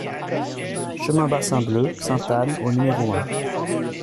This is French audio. Chemin Bassin Bleu (Ste Anne) au numéro un